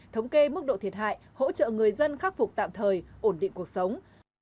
thống kê mức độ thiệt hại hỗ trợ người dân khắc phục tạm thời ổn định cuộc sống